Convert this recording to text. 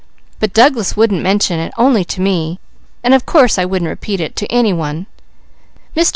But Douglas wouldn't mention it, only to me, and of course I wouldn't repeat it to any one. Mr.